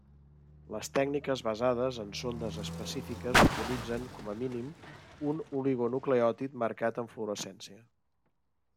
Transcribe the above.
Les tècniques basades en sondes específiques utilitzen com a mínim un oligonucleòtid marcat amb fluorescència.